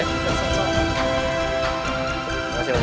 terima kasih pak